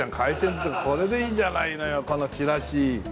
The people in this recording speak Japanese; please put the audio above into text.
これでいいじゃないのよこのちらし。